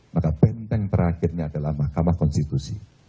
maka benteng terakhirnya adalah mahkamah konstitusi